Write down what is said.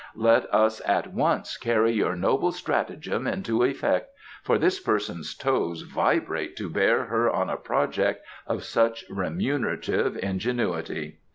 Let us at once carry your noble stratagem into effect, for this person's toes vibrate to bear her on a project of such remunerative ingenuity."